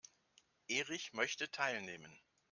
Erich möchte teilnehmen.